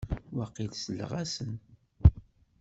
Waqil selleɣ-asen.